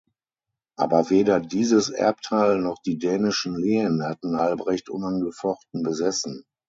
Aber weder dieses Erbteil noch die dänischen Lehen hat Albrecht unangefochten besessen.